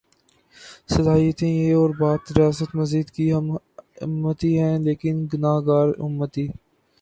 صلاحیتیں یہ اور بات ریاست مدینہ کی ہم امتی ہیں لیکن گناہگار امتی۔